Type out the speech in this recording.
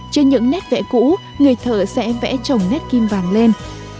trên những nét vẽ cũ người thợ sẽ vẽ trồng nét kim vàng lên